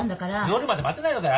夜まで待てないのか？